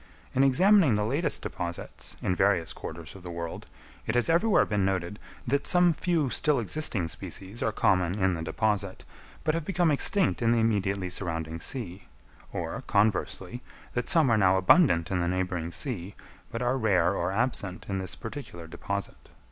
In examining the latest deposits, in various quarters of the world, it has everywhere been noted, that some few still existing species are common in the deposit, but have become extinct in the immediately surrounding sea; or, conversely, that some are now abundant in the neighbouring sea, but are rare or absent in this particular deposit.